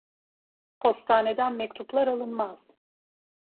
Postaneden mektuplar alınmaz.